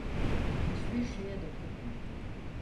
Hiçbir şeye dokunmayın!